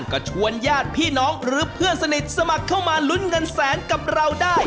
ก็ชวนญาติพี่น้องหรือเพื่อนสนิทสมัครเข้ามาลุ้นเงินแสนกับเราได้